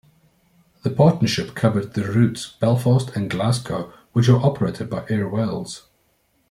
The partnership covered the routes Belfast and Glasgow which were operated by Air Wales.